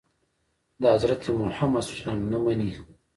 د حضرت محمد نه مني.